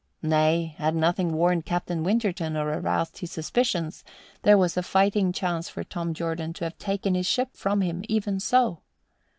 (Nay, had nothing warned Captain Winterton or aroused his suspicions, there was a fighting chance for Tom Jordan to have taken his ship from him even so.)